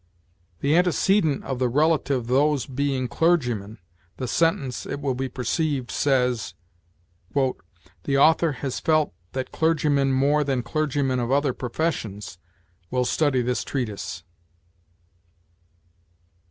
The antecedent of the relative those being clergymen, the sentence, it will be perceived, says: "The author has felt that clergymen more than clergymen of other professions will study this treatise."